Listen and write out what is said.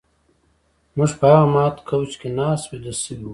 موږ په هغه مات کوچ کې ناست ویده شوي وو